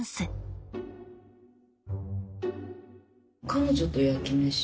彼女と焼き飯？